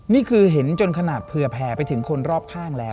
นี่คือเห็นจนขนาดเผื่อแผ่ไปถึงคนรอบข้างแล้ว